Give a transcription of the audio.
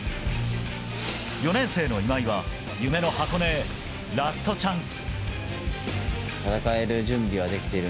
４年生の今井は夢の箱根へラストチャンス。